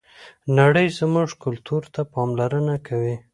نړۍ زموږ کلتور ته پاملرنه کوي.